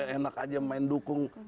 enak saja main dukung